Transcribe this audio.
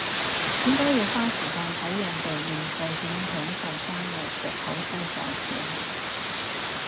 點解要花時間睇人哋現世點樣享受生活食好西放閃？